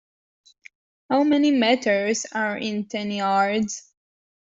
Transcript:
How many meters are in ten yards?